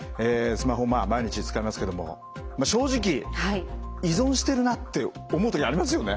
スマホ毎日使いますけども正直依存してるなって思う時ありますよね？